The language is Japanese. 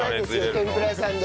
天ぷら屋さんで。